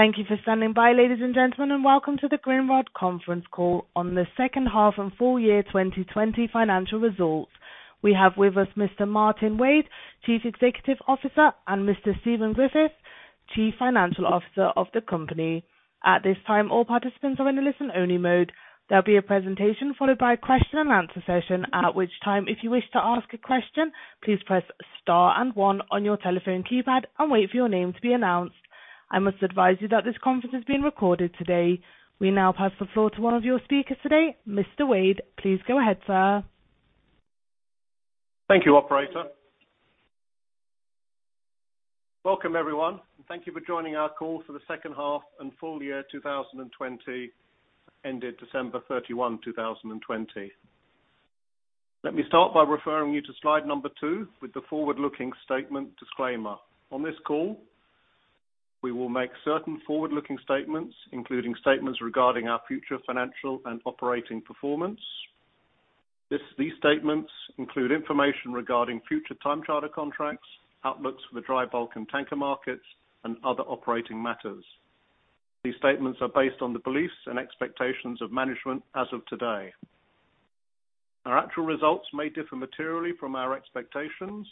Thank you for standing by, ladies and gentlemen, and welcome to the Grindrod conference call on the second half and full-year 2020 financial results. We have with us Mr. Martyn Wade, Chief Executive Officer, and Mr. Stephen Griffiths, Chief Financial Officer of the company. We now pass the floor to one of your speakers today, Mr. Wade. Please go ahead, sir. Thank you, operator. Welcome, everyone. Thank you for joining our call for the second half and full-year 2020, ended December 31, 2020. Let me start by referring you to slide number two with the forward-looking statement disclaimer. On this call, we will make certain forward-looking statements, including statements regarding our future financial and operating performance. These statements include information regarding future time charter contracts, outlooks for the dry bulk and tanker markets, and other operating matters. These statements are based on the beliefs and expectations of management as of today. Our actual results may differ materially from our expectations.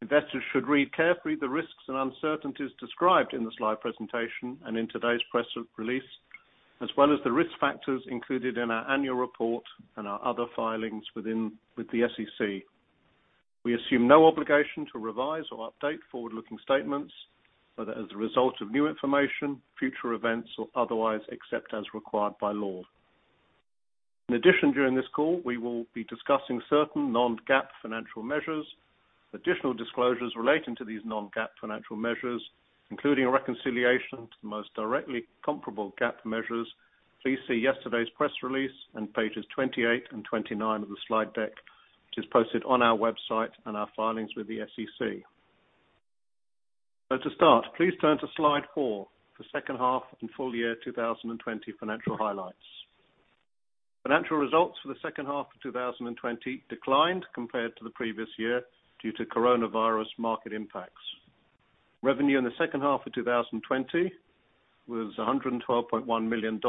Investors should read carefully the risks and uncertainties described in the slide presentation and in today's press release, as well as the risk factors included in our annual report and our other filings with the SEC. We assume no obligation to revise or update forward-looking statements, whether as a result of new information, future events, or otherwise, except as required by law. In addition, during this call, we will be discussing certain non-GAAP financial measures. Additional disclosures relating to these non-GAAP financial measures, including a reconciliation to the most directly comparable GAAP measures, please see yesterday's press release and pages 28 and 29 of the slide deck, which is posted on our website and our filings with the SEC. To start, please turn to slide four for second half and full-year 2020 financial highlights. Financial results for the second half of 2020 declined compared to the previous year due to COVID-19 market impacts. Revenue in the second half of 2020 was $112.1 million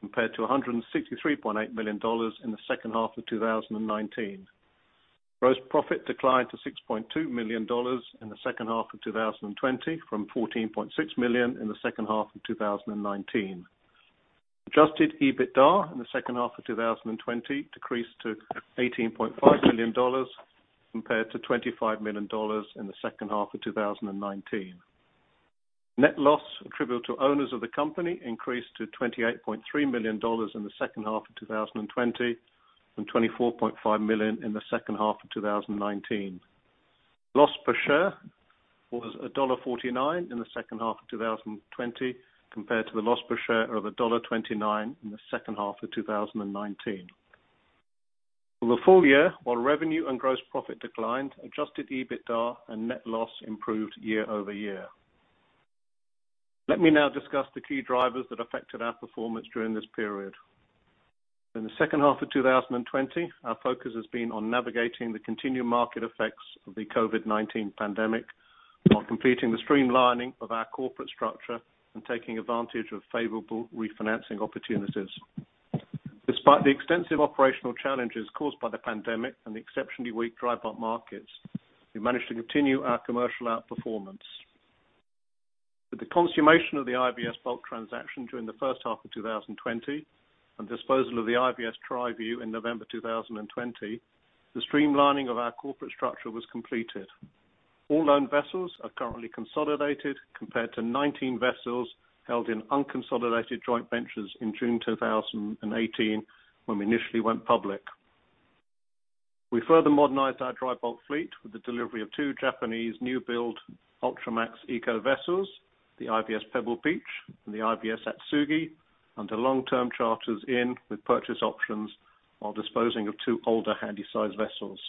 compared to $163.8 million in the second half of 2019. Gross profit declined to $6.2 million in the second half of 2020 from $14.6 million in the second half of 2019. Adjusted EBITDA in the second half of 2020 decreased to $18.5 million compared to $25 million in the second half of 2019. Net loss attributable to owners of the company increased to $28.3 million in the second half of 2020 from $24.5 million in the second half of 2019. Loss per share was $1.49 in the second half of 2020 compared to the loss per share of $1.29 in the second half of 2019. For the full-year, while revenue and gross profit declined, adjusted EBITDA and net loss improved year-over-year. Let me now discuss the key drivers that affected our performance during this period. In the second half of 2020, our focus has been on navigating the continued market effects of the COVID-19 pandemic while completing the streamlining of our corporate structure and taking advantage of favorable refinancing opportunities. Despite the extensive operational challenges caused by the pandemic and the exceptionally weak dry bulk markets, we managed to continue our commercial outperformance. With the consummation of the IVS Bulk transaction during the first half of 2020 and disposal of the IVS Triview in November 2020, the streamlining of our corporate structure was completed. All owned vessels are currently consolidated compared to 19 vessels held in unconsolidated joint ventures in June 2018 when we initially went public. We further modernized our dry bulk fleet with the delivery of two Japanese new-build Ultramax Eco vessels, the IVS Pebble Beach and the IVS Atsugi, under long-term charters in with purchase options while disposing of two older Handysize vessels.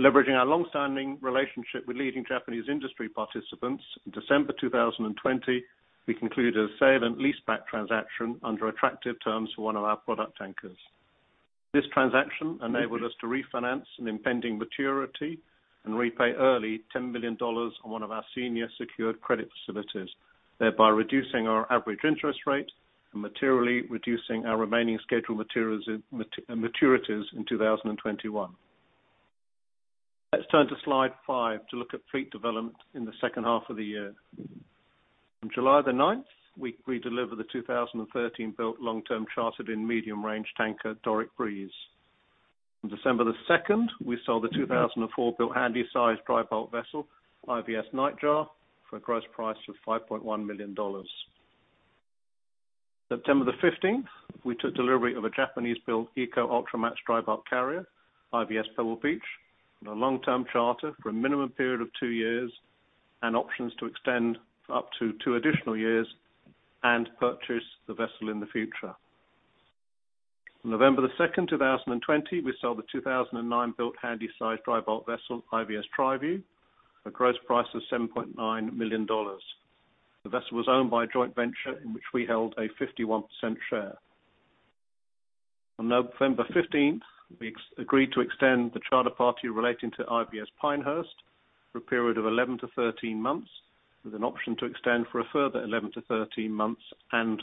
Leveraging our long-standing relationship with leading Japanese industry participants, in December 2020, we concluded a sale and leaseback transaction under attractive terms for one of our product tankers. This transaction enabled us to refinance an impending maturity and repay early $10 million on one of our senior secured credit facilities, thereby reducing our average interest rate and materially reducing our remaining scheduled maturities in 2021. Let's turn to slide five to look at fleet development in the second half of the year. On July the 9th, we delivered the 2013-built long-term chartered-in medium-range tanker DORIC BREEZE. On December 2nd, we sold the 2004-built Handysize dry bulk vessel, IVS Nightjar, for a gross price of $5.1 million. September 15th, we took delivery of a Japanese-built eco-Ultramax dry bulk carrier, IVS Pebble Beach, on a long-term charter for a minimum period of two years and options to extend for up to two additional years and purchase the vessel in the future. On November 2nd, 2020, we sold the 2009-built Handysize dry bulk vessel, IVS Triview, for a gross price of $7.9 million. The vessel was owned by a joint venture in which we held a 51% share. On November 15th, we agreed to extend the charter party relating to IVS Pinehurst for a period of 11 to 13 months, with an option to extend for a further 11 to 13 months and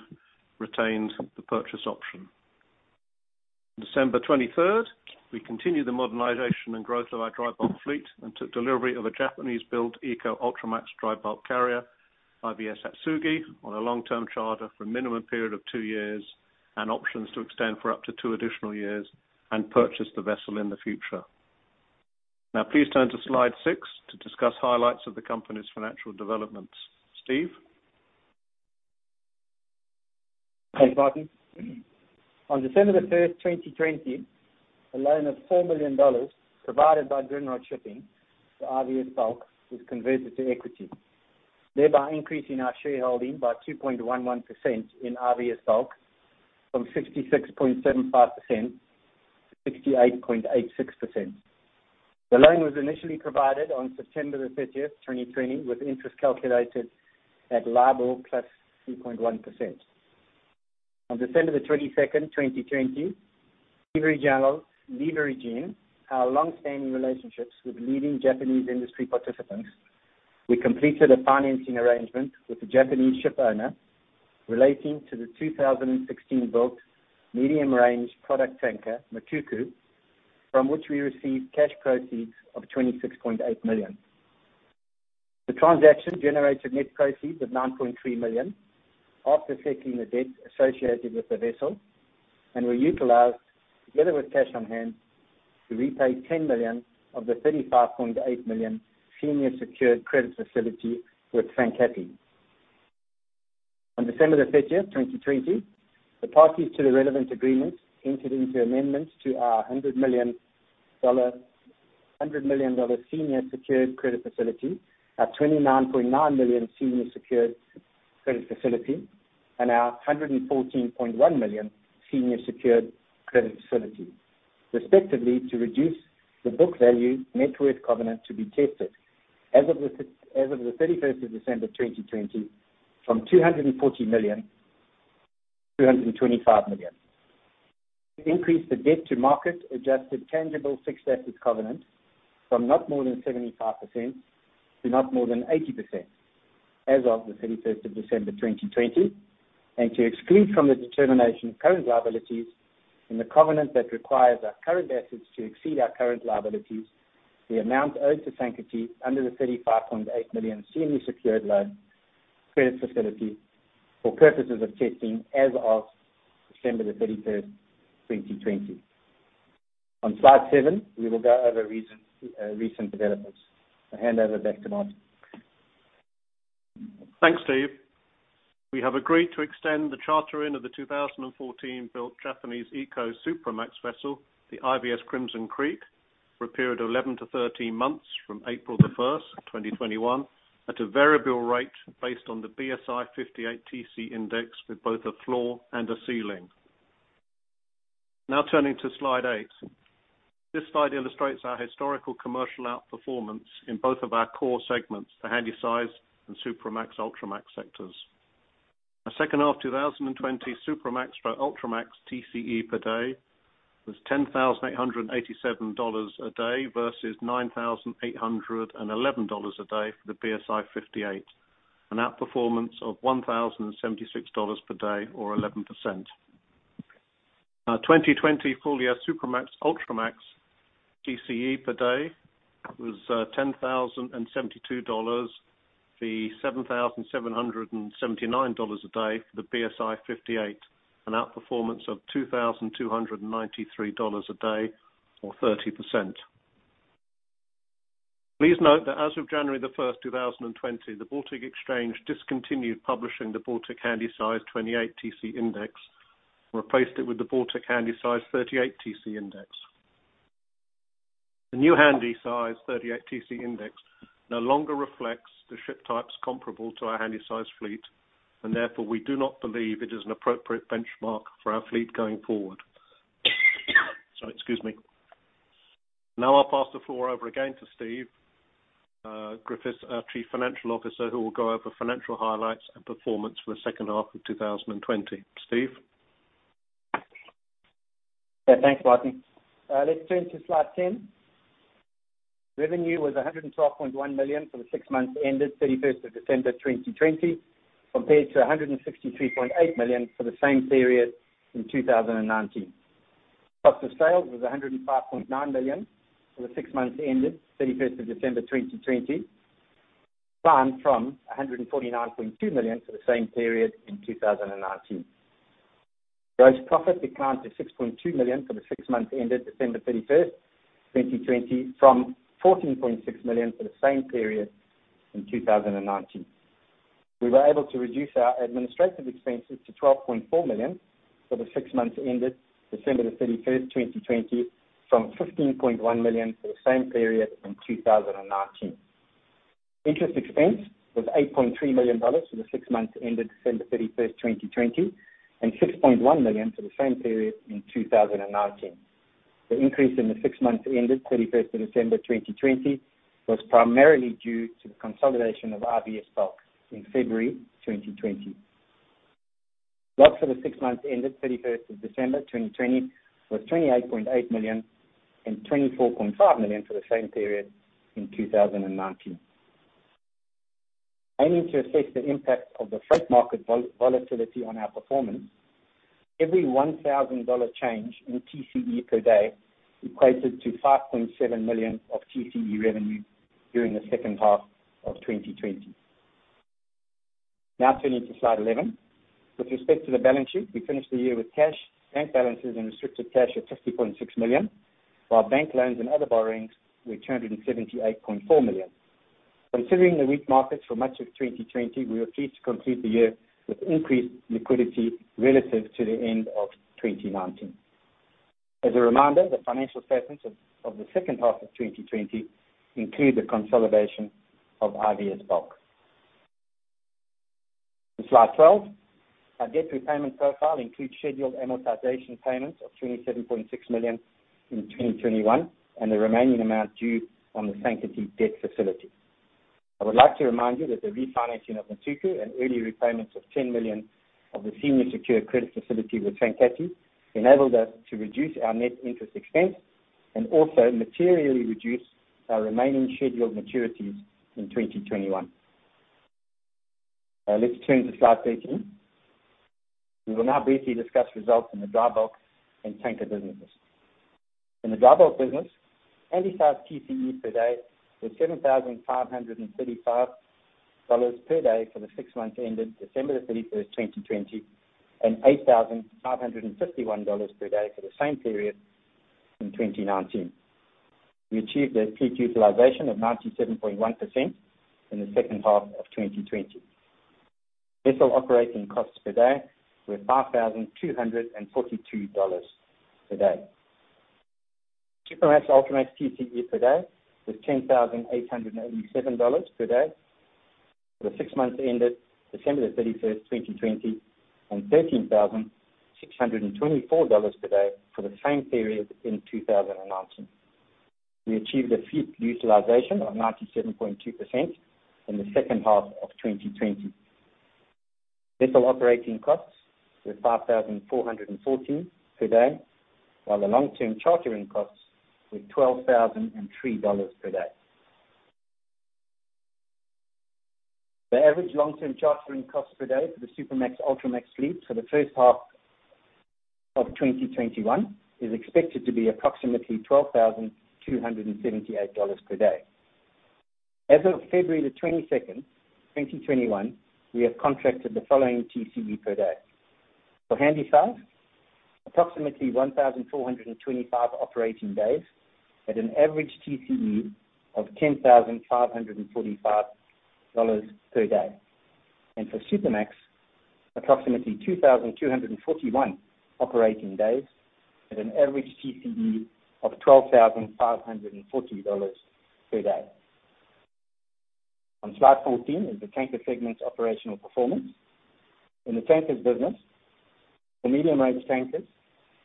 retained the purchase option. December 23rd, we continued the modernization and growth of our dry bulk fleet and took delivery of a Japanese-built eco Ultramax dry bulk carrier, IVS Atsugi, on a long-term charter for a minimum period of two years and options to extend for up to two additional years and purchase the vessel in the future. Now please turn to Slide six to discuss highlights of the company's financial developments. Steve? Thanks, Martyn. On December 1st, 2020, a loan of $4 million provided by Grindrod Shipping to IVS Bulk was converted to equity, thereby increasing our shareholding by 2.11% in IVS Bulk from 66.75% to 68.86%. The loan was initially provided on September 30th, 2020, with interest calculated at LIBOR plus 3.1%. On December 22nd, 2020, leveraging our long-standing relationships with leading Japanese industry participants, we completed a financing arrangement with a Japanese ship owner relating to the 2016-built medium-range product tanker Matuku, from which we received cash proceeds of $26.8 million. The transaction generated net proceeds of $9.3 million after settling the debt associated with the vessel and were utilized together with cash on hand to repay $10 million of the $35.8 million senior secured credit facility with Sankaty. On December 30th, 2020, the parties to the relevant agreement entered into amendments to our $100 million senior secured credit facility, our $29.9 million senior secured credit facility, and our $114.1 million senior secured credit facility, respectively, to reduce the book value net worth covenant to be tested as of the 31st of December 2020 from $240 million-$225 million. Increase the debt-to-market adjusted tangible fixed assets covenant from not more than 75% to not more than 80% as of the 31st of December 2020 and to exclude from the determination of current liabilities in the covenant that requires our current assets to exceed our current liabilities the amount owed to Sankaty under the $35.8 million senior secured loan credit facility for purposes of testing as of December the 31st, 2020. On Slide seven, we will go over recent developments. I hand over back to Martyn. Thanks, Steve. We have agreed to extend the charter-in of the 2014-built Japanese eco Supramax vessel, the IVS Crimson Creek, for a period of 11-13 months from April 1st, 2021, at a variable rate based on the BSI 58 TC Index with both a floor and a ceiling. Turning to Slide eight. This slide illustrates our historical commercial outperformance in both of our core segments, the Handysize and Supramax, Ultramax sectors. The second half of 2020 Supramax/Ultramax TCE per day was $10,887 a day versus $9,811 a day for the BSI 58, an outperformance of $1,076 per day or 11%. Our 2020 full-year Supramax/Ultramax TCE per day was $10,072, the $7,779 a day for the BSI 58, an outperformance of $2,293 a day or 30%. Please note that as of January the 1st, 2020, the Baltic Exchange discontinued publishing the Baltic Handysize 28 TC Index and replaced it with the Baltic Handysize 38 TC Index. The new Handysize 38 TC Index no longer reflects the ship types comparable to our Handysize fleet, and therefore, we do not believe it is an appropriate benchmark for our fleet going forward. Sorry, excuse me. I'll pass the floor over again to Steve, our Chief Financial Officer, who will go over financial highlights and performance for the second half of 2020. Steve? Yeah. Thanks, Martyn. Let's turn to Slide 10. Revenue was $112.1 million for the six months ended 31st of December 2020, compared to $163.8 million for the same period in 2019. Cost of sales was $105.9 million for the six months ended 31st of December 2020, down from $149.2 million for the same period in 2019. Gross profit declined to $6.2 million for the six months ended December 31st, 2020 from $14.6 million for the same period in 2019. We were able to reduce our administrative expenses to $12.4 million for the six months ended December the 31st, 2020 from $15.1 million for the same period in 2019. Interest expense was $8.3 million for the six months ended December 31st, 2020, and $6.1 million for the same period in 2019. The increase in the six months ended 31st of December 2020 was primarily due to the consolidation of IVS Bulk in February 2020. Bulk for the six months ended 31st of December 2020 was $28.8 million and $24.5 million for the same period in 2019. Aiming to assess the impact of the freight market volatility on our performance, every $1,000 change in TCE per day equates to $5.7 million of TCE revenue during the second half of 2020. Turning to slide 11. With respect to the balance sheet, we finished the year with cash, bank balances, and restricted cash of $50.6 million, while bank loans and other borrowings were $278.4 million. Considering the weak markets for much of 2020, we are pleased to complete the year with increased liquidity relative to the end of 2019. As a reminder, the financial statements of the second half of 2020 include the consolidation of IVS Bulk. In slide 12, our debt repayment profile includes scheduled amortization payments of $27.6 million in 2021 and the remaining amount due on the Sankaty debt facility. I would like to remind you that the refinancing of Matuku and early repayments of $10 million of the senior secured credit facility with Sankaty enabled us to reduce our net interest expense and also materially reduce our remaining scheduled maturities in 2021. Let's turn to slide 13. We will now briefly discuss results in the dry bulk and tanker businesses. In the dry bulk business, Handysize TCE per day was $7,535 per day for the six months ended December 31st, 2020, and $8,551 per day for the same period in 2019. We achieved a fleet utilization of 97.1% in the second half of 2020. Vessel operating costs per day were $5,242 per day. Supramax/Ultramax TCE per day was $10,887 per day for the six months ended December 31st, 2020, and $13,624 per day for the same period in 2019. We achieved a fleet utilization of 97.2% in the second half of 2020. Vessel operating costs were $5,414 per day, while the long-term chartering costs were $12,003 per day. The average long-term chartering costs per day for the Supramax/Ultramax fleet for the first half of 2021 is expected to be approximately $12,278 per day. As of February 22nd, 2021, we have contracted the following TCE per day. For Handysize, approximately 1,425 operating days at an average TCE of $10,545 per day. For Supramax, approximately 2,241 operating days at an average TCE of $12,540 per day. On slide 14 is the tanker segment's operational performance. In the tankers business, for Medium Range Tankers,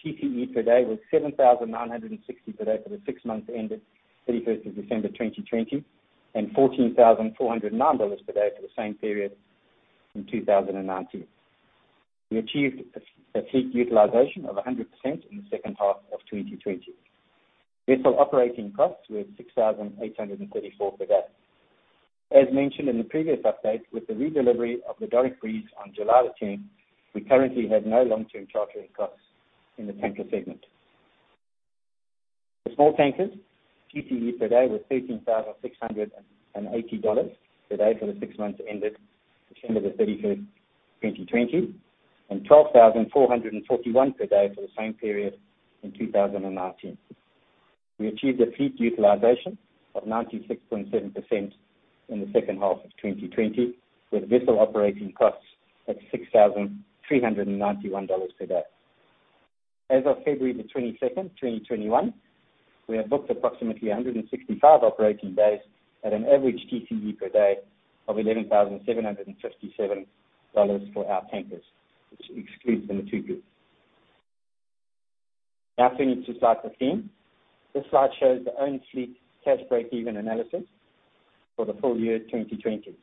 TCE per day was $7,960 per day for the six months ended 31st of December 2020, and $14,409 per day for the same period in 2019. We achieved a fleet utilization of 100% in the second half of 2020. Vessel operating costs were $6,834 per day. As mentioned in the previous update, with the redelivery of the DORIC BREEZE on July the 10th, we currently have no long-term chartering costs in the tanker segment. The small tankers TCE per day was $13,680 per day for the six months ended December the 31st, 2020, and $12,441 per day for the same period in 2019. We achieved a fleet utilization of 96.7% in the second half of 2020, with vessel operating costs at $6,391 per day. As of February the 22nd, 2021, we have booked approximately 165 operating days at an average TCE per day of $11,757 for our tankers, which excludes the Matuku. Now turning to slide 15. This slide shows the own fleet cash breakeven analysis for the full-year 2020.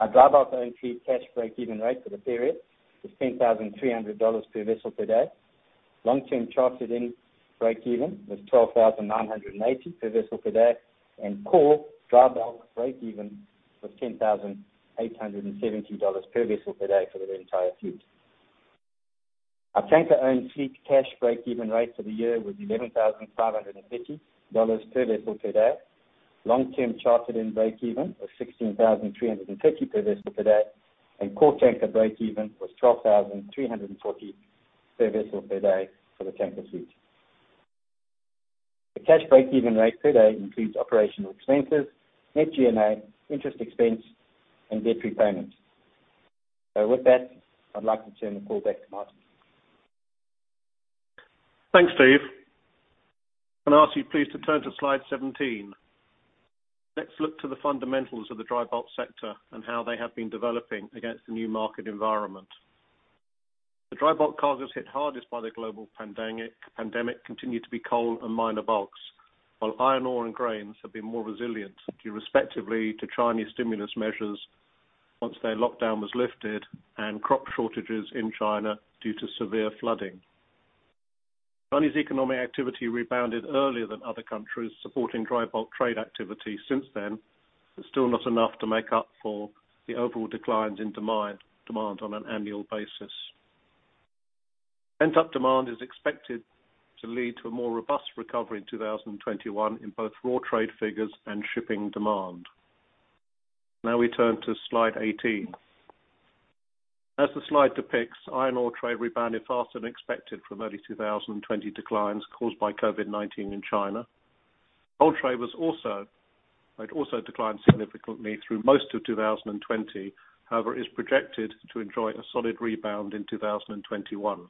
Our dry bulk own fleet cash breakeven rate for the period was $10,300 per vessel per day. Long-term chartered in breakeven was $12,980 per vessel per day, and core dry bulk breakeven was $10,870 per vessel per day for the entire fleet. Our tanker own fleet cash breakeven rate for the year was $11,550 per vessel per day. Long-term chartered in breakeven was $16,350 per vessel per day, and core tanker breakeven was $12,340 per vessel per day for the tanker fleet. The cash breakeven rate per day includes operational expenses, net G&A, interest expense, and debt repayment. With that, I'd like to turn the call back to Martyn. Thanks, Steve. Can I ask you please to turn to slide 17? Let's look to the fundamentals of the dry bulk sector and how they have been developing against the new market environment. The dry bulk cargoes hit hardest by the global pandemic continued to be coal and minor bulks, while iron ore and grains have been more resilient, due respectively to Chinese stimulus measures once their lockdown was lifted, and crop shortages in China due to severe flooding. Chinese economic activity rebounded earlier than other countries, supporting dry bulk trade activity since then, but still not enough to make up for the overall declines in demand on an annual basis. Pent-up demand is expected to lead to a more robust recovery in 2021 in both raw trade figures and shipping demand. Now we turn to slide 18. As the slide depicts, iron ore trade rebounded faster than expected from early 2020 declines caused by COVID-19 in China. Coal trade also declined significantly through most of 2020. However, it is projected to enjoy a solid rebound in 2021.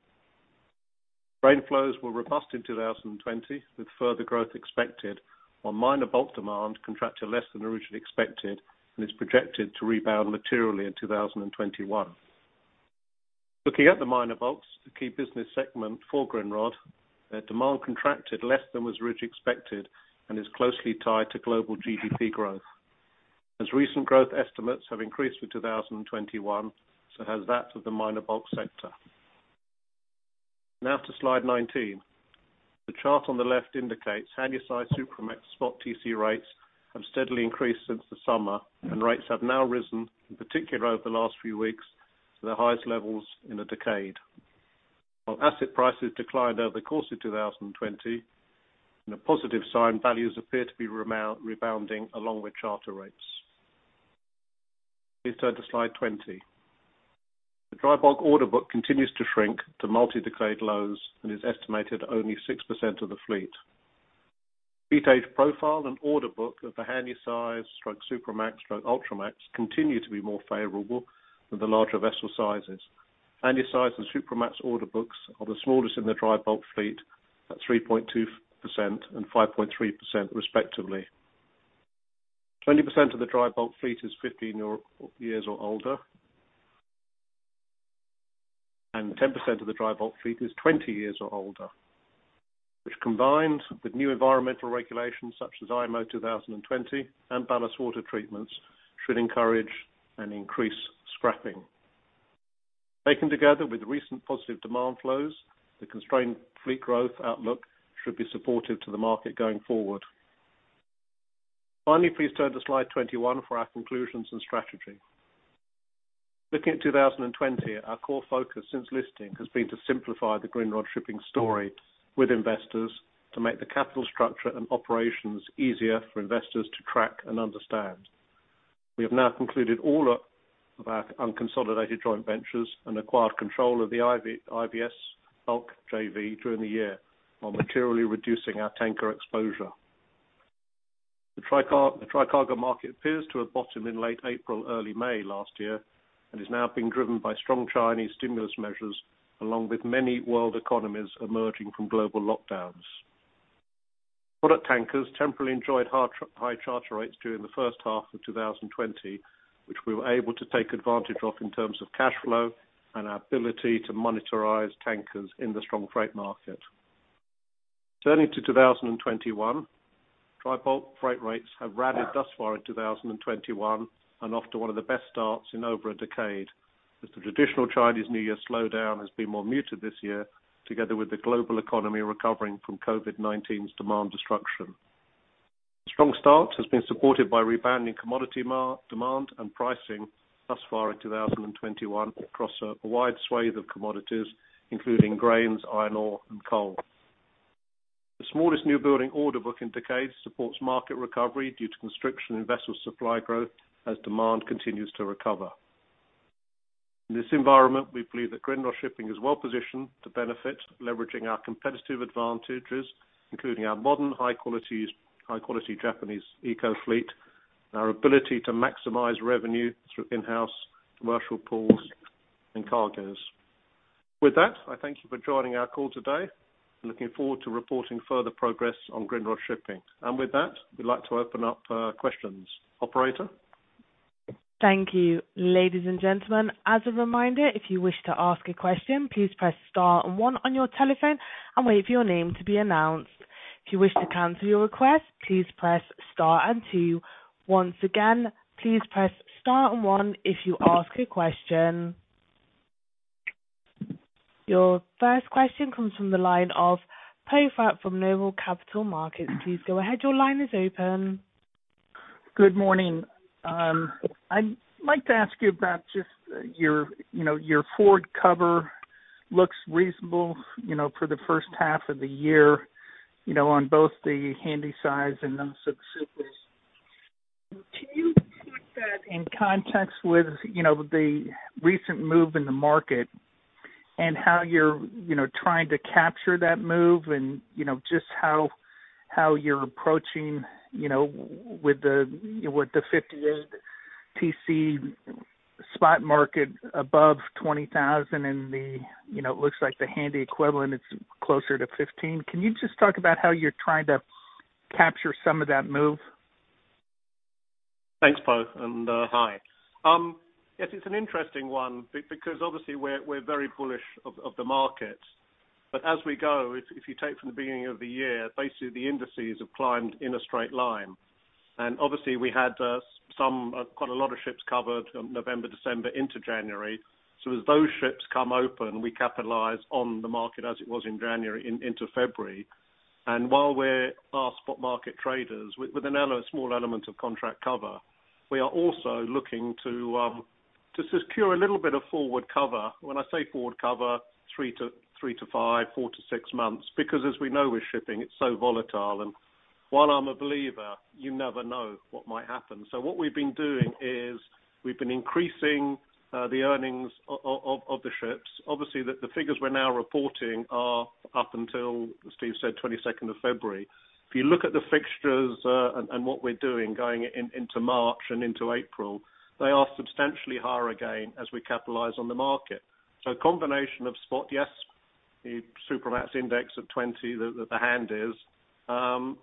Grain flows were robust in 2020, with further growth expected, while minor bulk demand contracted less than originally expected and is projected to rebound materially in 2021. Looking at the minor bulks, the key business segment for Grindrod, their demand contracted less than was originally expected and is closely tied to global GDP growth. As recent growth estimates have increased for 2021, so has that of the minor bulk sector. Now to slide 19. The chart on the left indicates Handysize/Supramax spot TC rates have steadily increased since the summer, and rates have now risen, in particular over the last few weeks, to the highest levels in a decade. While asset prices declined over the course of 2020, in a positive sign, values appear to be rebounding along with charter rates. Please turn to slide 20. The dry bulk order book continues to shrink to multi-decade lows and is estimated only 6% of the fleet. Fleet age profile and order book of the Handysize/Supramax/Ultramax continue to be more favorable than the larger vessel sizes. Handysize and Supramax order books are the smallest in the dry bulk fleet at 3.2% and 5.3% respectively. 20% of the dry bulk fleet is 15 years or older. 10% of the dry bulk fleet is 20 years or older, which combined with new environmental regulations such as IMO 2020 and ballast water treatments, should encourage and increase scrapping. Taken together with recent positive demand flows, the constrained fleet growth outlook should be supportive to the market going forward. Finally, please turn to slide 21 for our conclusions and strategy. Looking at 2020, our core focus since listing has been to simplify the Grindrod Shipping story with investors to make the capital structure and operations easier for investors to track and understand. We have now concluded all of our unconsolidated joint ventures and acquired control of the IVS Bulk JV during the year, while materially reducing our tanker exposure. The dry cargo market appears to have bottomed in late April, early May last year, and is now being driven by strong Chinese stimulus measures, along with many world economies emerging from global lockdowns. Product tankers temporarily enjoyed high charter rates during the first half of 2020, which we were able to take advantage of in terms of cash flow and our ability to monetize tankers in the strong freight market. Turning to 2021, dry bulk freight rates have rallied thus far in 2021 and are off to one of the best starts in over a decade, as the traditional Chinese New Year slowdown has been more muted this year, together with the global economy recovering from COVID-19's demand destruction. Strong start has been supported by rebounding commodity demand and pricing thus far in 2021 across a wide swathe of commodities, including grains, iron ore, and coal. The smallest new building order book in decades supports market recovery due to constriction in vessel supply growth as demand continues to recover. In this environment, we believe that Grindrod Shipping is well-positioned to benefit, leveraging our competitive advantages, including our modern, high-quality Japanese eco fleet and our ability to maximize revenue through in-house commercial pools and cargoes. With that, I thank you for joining our call today. I'm looking forward to reporting further progress on Grindrod Shipping. With that, we'd like to open up for questions. Operator? Your first question comes from the line of Poe Fratt from Noble Capital Markets. Please go ahead. Your line is open. Good morning. I'd like to ask you about just your forward cover looks reasonable for the first half of the year, on both the Handysize and those Supramax. Can you put that in context with the recent move in the market and how you're trying to capture that move and just how you're approaching with the 50-day? TC spot market above $20,000. It looks like the handy equivalent is closer to $15. Can you just talk about how you're trying to capture some of that move? Thanks, Poe, and hi. Yes, it's an interesting one because obviously we're very bullish of the market, but as we go, if you take from the beginning of the year, basically the indices have climbed in a straight line. Obviously we had quite a lot of ships covered November, December into January. As those ships come open, we capitalize on the market as it was in January into February. While we're our spot market traders with a small element of contract cover, we are also looking to secure a little bit of forward cover. When I say forward cover, 3-5, 4-6 months, because as we know with shipping, it's so volatile and while I'm a believer, you never know what might happen. What we've been doing is we've been increasing the earnings of the ships. Obviously, the figures we're now reporting are up until, as Steve said, 22nd of February. If you look at the fixtures, what we're doing going into March and into April, they are substantially higher again as we capitalize on the market. A combination of spot, yes, the Supramax index of 20 that the Handysize is,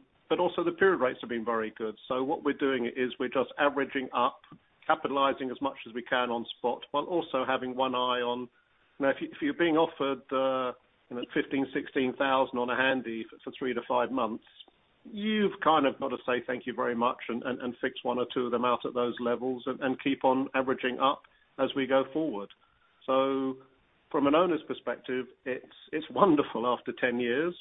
the period rates have been very good. What we're doing is we're just averaging up, capitalizing as much as we can on spot. If you're being offered $15,000, $16,000 on a Handysize for three to five months, you've kind of got to say thank you very much and fix one or two of them out at those levels and keep on averaging up as we go forward. From an owner's perspective, it's wonderful after 10 years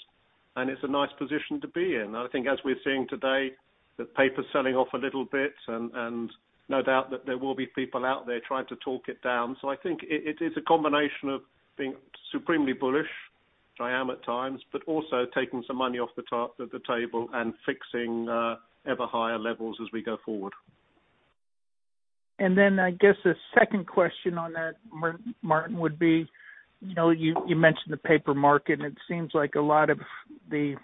and it's a nice position to be in. I think as we're seeing today, that paper's selling off a little bit and no doubt that there will be people out there trying to talk it down. I think it is a combination of being supremely bullish, which I am at times, but also taking some money off the table and fixing ever higher levels as we go forward. I guess the second question on that, Martyn Wade, would be, you mentioned the paper market, it seems like a lot of the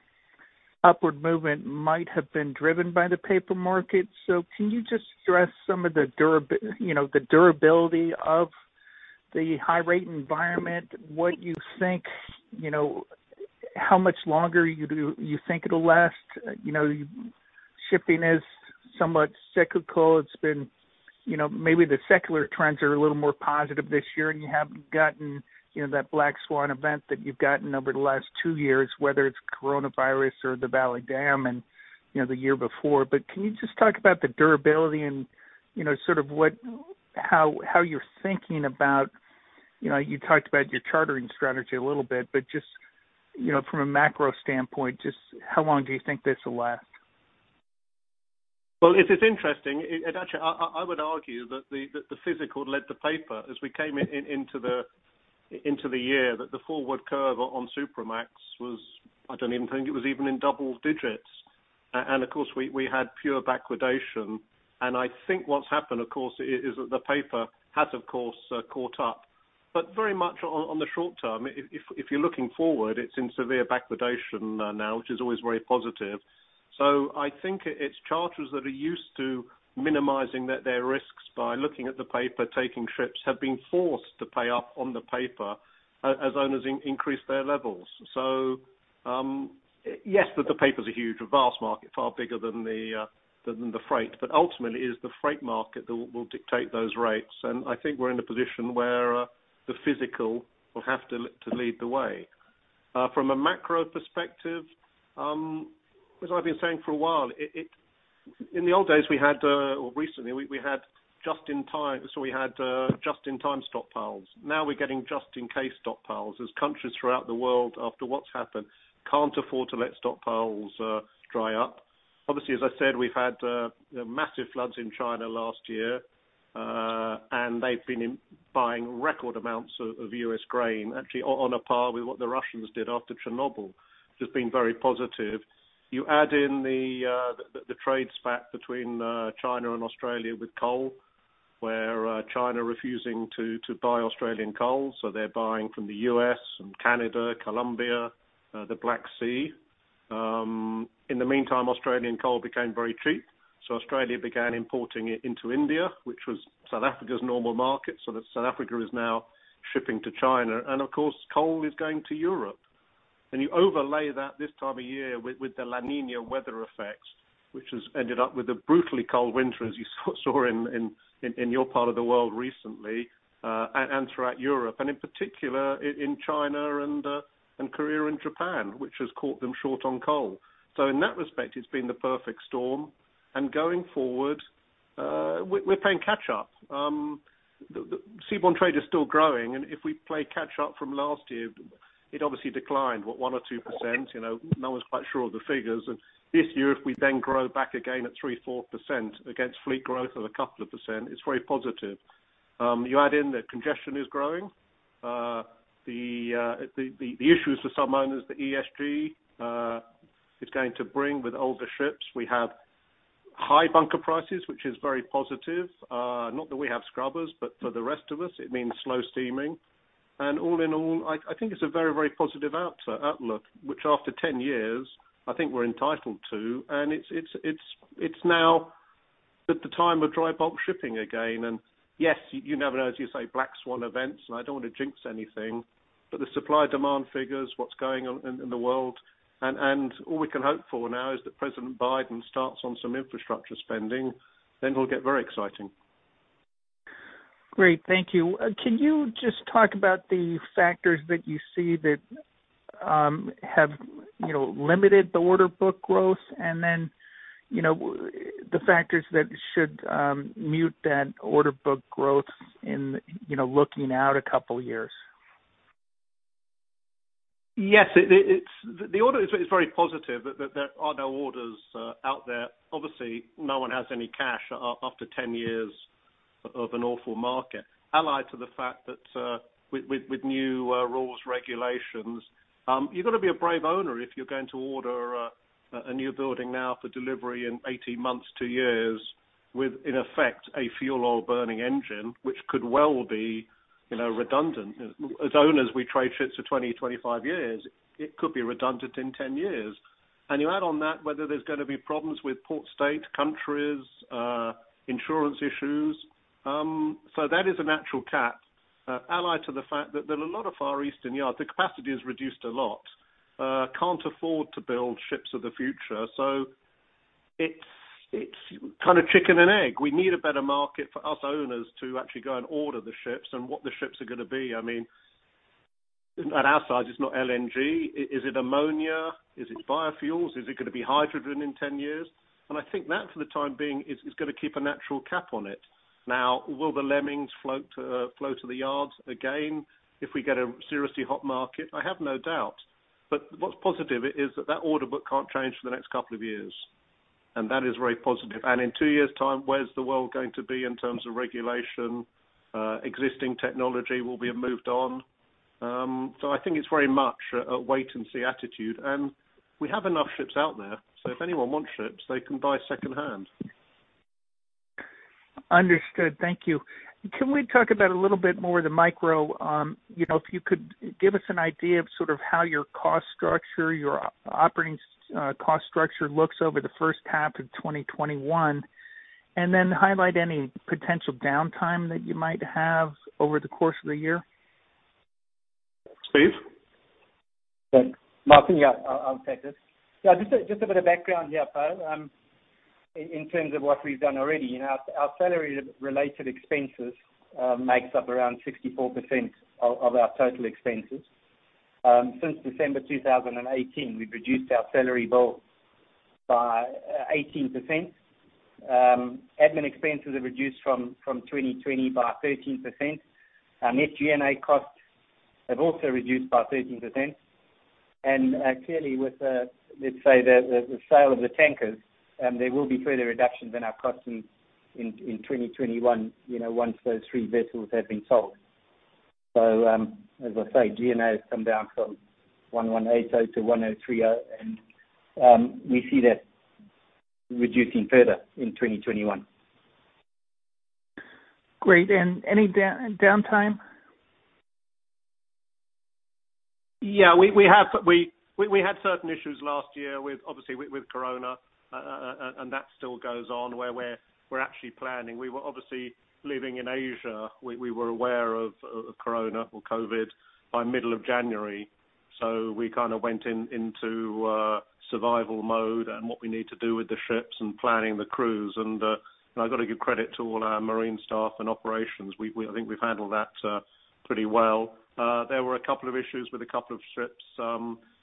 upward movement might have been driven by the paper market. Can you just stress some of the durability of the high rate environment, how much longer you think it'll last? Shipping is somewhat cyclical. Maybe the secular trends are a little more positive this year, you haven't gotten that black swan event that you've gotten over the last two years, whether it's COVID-19 or the Vale dam the year before. Can you just talk about the durability and sort of how you're thinking about. You talked about your chartering strategy a little bit, just from a macro standpoint, just how long do you think this will last? Well, it is interesting. Actually, I would argue that the physical led the paper as we came into the year, that the forward curve on Supramax was, I don't even think it was even in double digits. Of course, we had pure backwardation. I think what's happened, of course, is that the paper has, of course, caught up, but very much on the short-term. If you're looking forward, it's in severe backwardation now, which is always very positive. I think it's charters that are used to minimizing their risks by looking at the paper, taking trips, have been forced to pay up on the paper as owners increase their levels. Yes, the paper's a huge, vast market, far bigger than the freight, but ultimately it is the freight market that will dictate those rates. I think we're in a position where the physical will have to lead the way. From a macro perspective, as I've been saying for a while, in the old days, or recently, we had just in time stock piles. Now we're getting just in case stock piles as countries throughout the world after what's happened, can't afford to let stock piles dry up. Obviously, as I said, we've had massive floods in China last year. They've been buying record amounts of U.S. grain, actually on a par with what the Russians did after Chernobyl, which has been very positive. You add in the trade spat between China and Australia with coal, where China refusing to buy Australian coal, so they're buying from the U.S., and Canada, Colombia, the Black Sea. In the meantime, Australian coal became very cheap. Australia began importing it into India, which was South Africa's normal market. That South Africa is now shipping to China. Of course, coal is going to Europe. You overlay that this time of year with the La Niña weather effects, which has ended up with a brutally cold winter, as you saw in your part of the world recently, and throughout Europe, and in particular in China and Korea and Japan, which has caught them short on coal. In that respect, it's been the perfect storm. Going forward, we're playing catch up. Seaborne trade is still growing, and if we play catch up from last year, it obviously declined, what, 1% or 2%? No one's quite sure of the figures. This year, if we then grow back again at 3%, 4% against fleet growth of a couple of percent, it's very positive. You add in that congestion is growing. The issues for some owners, the ESG, is going to bring with older ships. We have high bunker prices, which is very positive. Not that we have scrubbers, but for the rest of us, it means slow steaming. All in all, I think it's a very positive outlook, which after 10 years, I think we're entitled to. It's now that the time of dry bulk shipping again. Yes, you never know, as you say, black swan events, and I don't want to jinx anything, but the supply-demand figures, what's going on in the world, and all we can hope for now is that President Biden starts on some infrastructure spending, then it'll get very exciting. Great. Thank you. Can you just talk about the factors that you see that have limited the order book growth, and then the factors that should mute that order book growth in looking out a couple of years? Yes. The order is very positive. There are no orders out there. Obviously, no one has any cash after 10 years of an awful market. Allied to the fact that with new rules, regulations, you've got to be a brave owner if you're going to order a new building now for delivery in 18 months, two years, with, in effect, a fuel oil-burning engine, which could well be redundant. As owners, we trade ships for 20 to 25 years. It could be redundant in 10 years. You add on that whether there's going to be problems with port state countries, insurance issues. That is a natural cap. Allied to the fact that there are a lot of Far Eastern yards, the capacity is reduced a lot, can't afford to build ships of the future. It's kind of chicken and egg. We need a better market for us owners to actually go and order the ships and what the ships are going to be. At our size, it's not LNG. Is it ammonia? Is it biofuels? Is it going to be hydrogen in 10 years? I think that for the time being, is going to keep a natural cap on it. Will the lemmings flow to the yards again if we get a seriously hot market? I have no doubt. What's positive is that that order book can't change for the next couple of years, and that is very positive. In two years' time, where's the world going to be in terms of regulation? Existing technology will have moved on. I think it's very much a wait-and-see attitude. We have enough ships out there, so if anyone wants ships, they can buy secondhand. Understood. Thank you. Can we talk about a little bit more the micro? If you could give us an idea of sort of how your cost structure, your operating cost structure looks over the first half of 2021, and then highlight any potential downtime that you might have over the course of the year. Steve? Martyn, yeah, I'll take this. Yeah, just a bit of background here, Poe, in terms of what we've done already. Our salary-related expenses makes up around 64% of our total expenses. Since December 2018, we've reduced our salary bill by 18%. Admin expenses are reduced from 2020 by 13%. Net G&A costs have also reduced by 13%. Clearly with the, let's say, the sale of the tankers, there will be further reductions in our costs in 2021, once those three vessels have been sold. As I say, G&A has come down from $1,180 to $1,030, and we see that reducing further in 2021. Great. Any downtime? Yeah. We had certain issues last year, obviously, with COVID, and that still goes on, where we're actually planning. We were obviously living in Asia. We were aware of COVID by middle of January, so we kind of went into survival mode and what we need to do with the ships and planning the crews. I've got to give credit to all our marine staff and operations. I think we've handled that pretty well. There were a couple of issues with a couple of ships,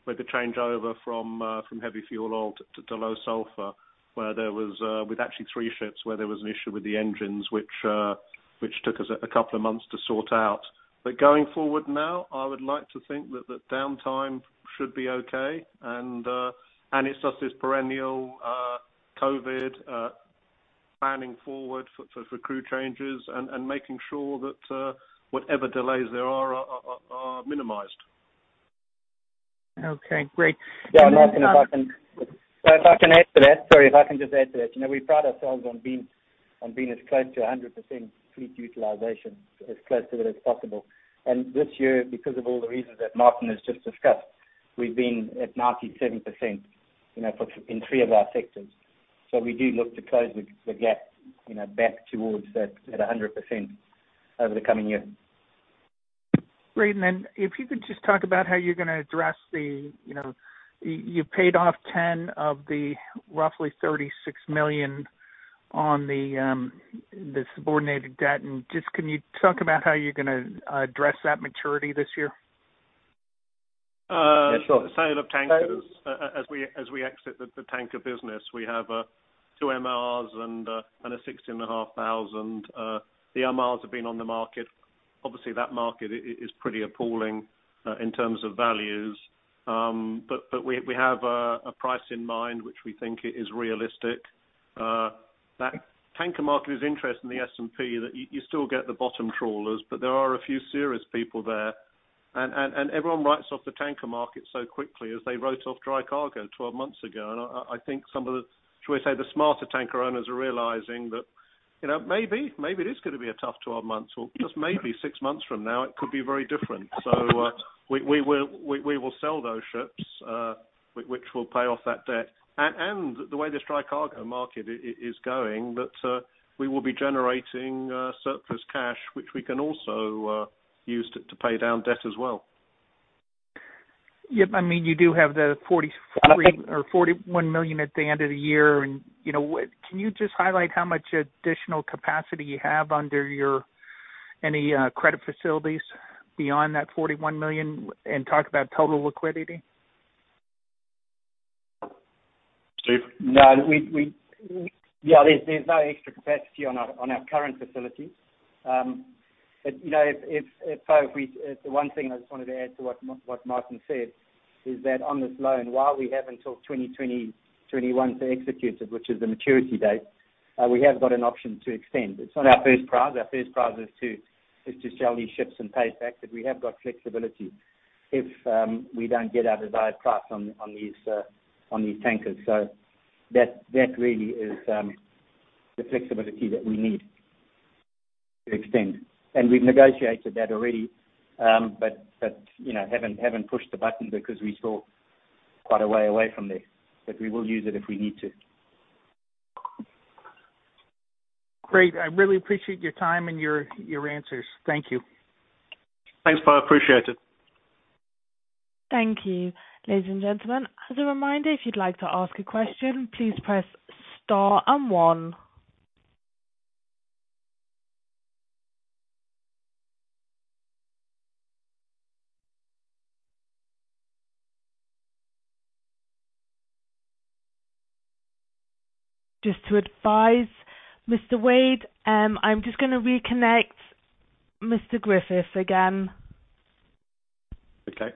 with the changeover from heavy fuel oil to low sulfur, with actually three ships where there was an issue with the engines, which took us a couple of months to sort out. Going forward now, I would like to think that the downtime should be okay, and it's just this perennial COVID, planning forward for crew changes, and making sure that whatever delays there are minimized. Okay, great. Yeah, Martyn, if I can add to that. Sorry, if I can just add to that. We pride ourselves on being as close to 100% fleet utilization, as close to it as possible. This year, because of all the reasons that Martyn has just discussed, we've been at 97% in three of our sectors. We do look to close the gap back towards that at 100% over the coming year. Great. You paid off $10 million of the roughly $36 million on the subordinated debt, and just can you talk about how you're going to address that maturity this year? Sure. Sale of tankers. As we exit the tanker business, we have two MRs and a 16,500. The MRs have been on the market. Obviously, that market is pretty appalling in terms of values. We have a price in mind which we think is realistic. That tanker market is interesting, the S&P, that you still get the bottom trawlers, but there are a few serious people there. Everyone writes off the tanker market so quickly as they wrote off dry cargo 12 months ago. I think some of the, should we say, the smarter tanker owners are realizing that Maybe it is going to be a tough 12 months or just maybe six months from now it could be very different. We will sell those ships, which will pay off that debt. The way the dry cargo market is going, that we will be generating surplus cash, which we can also use to pay down debt as well. Yep. You do have the $41 million at the end of the year. Can you just highlight how much additional capacity you have under any credit facilities beyond that $41 million and talk about total liquidity? Steve? Yeah, there's no extra capacity on our current facilities. The one thing I just wanted to add to what Martyn said is that on this loan, while we have until 2021 to execute it, which is the maturity date, we have got an option to extend. It's not our first prize. Our first prize is to sell these ships and pay it back. We have got flexibility if we don't get our desired price on these tankers. That really is the flexibility that we need to extend. We've negotiated that already. Haven't pushed the button because we're still quite a way away from there. We will use it if we need to. Great. I really appreciate your time and your answers. Thank you. Thanks, Poe. Appreciate it. Thank you. Ladies and gentlemen, as a reminder, if you'd like to ask a question, please press star and one. Just to advise, Mr. Wade, I'm just going to reconnect Mr. Griffiths again. Okay.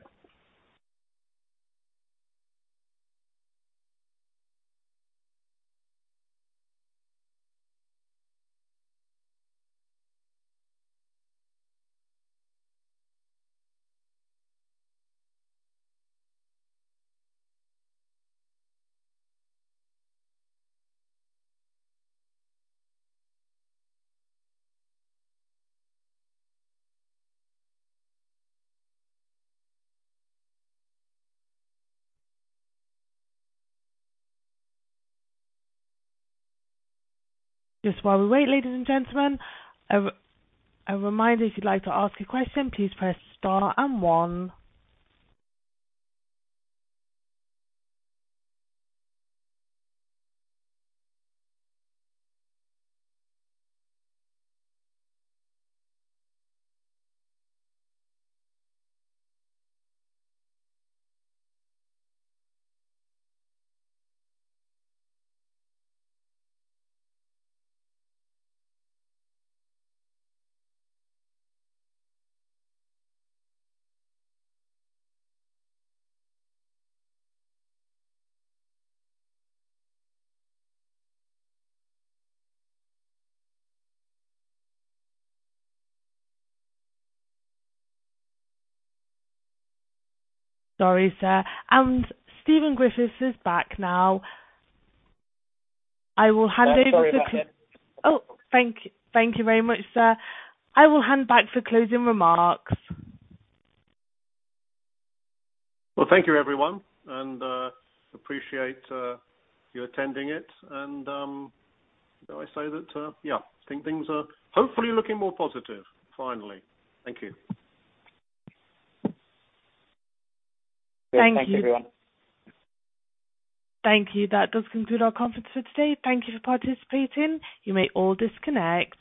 Just while we wait, ladies and gentlemen, a reminder, if you'd like to ask a question, please press star and one. Sorry, sir. Stephen Griffiths is back now. Sorry about that. Thank you very much, sir. I will hand back for closing remarks. Well, thank you, everyone, appreciate you attending it. May I say that, yeah, I think things are hopefully looking more positive finally. Thank you. Thanks, everyone. Thank you. That does conclude our conference for today. Thank you for participating. You may all disconnect.